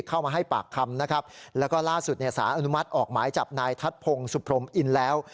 เข้ามาให้ปากคำนะครับแล้วก็ล่าสุดเนี่ยสารอนุมัติออกหมายจับนายทัศพงศ์สุพรมอินแล้ว